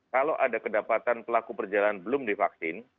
kalau ada kedapatan pelaku perjalanan belum divaksin